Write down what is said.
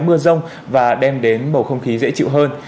mưa rông và đem đến bầu không khí dễ chịu hơn